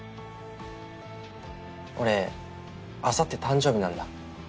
俺あさって誕生日なんだ。